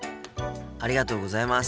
ありがとうございます。